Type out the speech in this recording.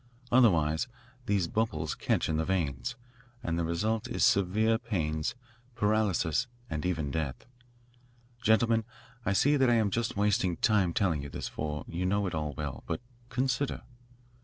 Otherwise these bubbles catch in the veins, and the result is severe pains, paralysis, and even death. Gentlemen, I see that I am just wasting time telling you this, for you know it all well. But consider."